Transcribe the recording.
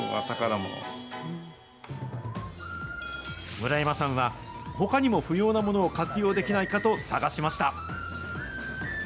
村山さんは、ほかにも不用なものを活用できないかと探しました。